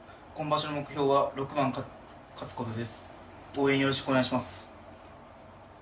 応援よろしくお願いします。